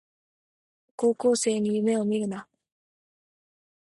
高校生に夢をみるな